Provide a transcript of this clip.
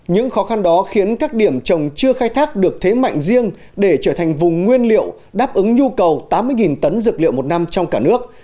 những khó khăn đó khiến các điểm trồng chưa khai thác được thế mạnh riêng để trở thành vùng nguyên liệu đáp ứng nhu cầu tám mươi tấn dược liệu một năm trong cả nước